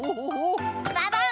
ババン！